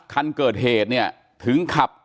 คันเกิดเหตุเนี่ยถึงขับ